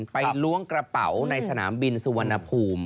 ล้วงกระเป๋าในสนามบินสุวรรณภูมิ